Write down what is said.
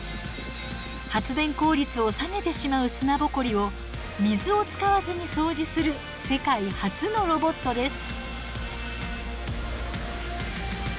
発電効率を下げてしまう砂ぼこりを水を使わずに掃除する世界初のロボットです。